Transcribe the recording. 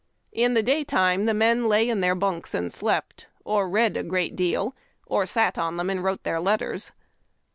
In the daytime the men lay in their bunks and slept, or read a great deal, or sat on them and wrote their letters.